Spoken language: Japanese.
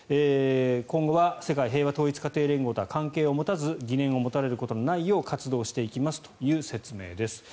今後は世界平和統一家庭連合とは関係を持たず疑念を持たれることのないよう活動をしていきますという説明です。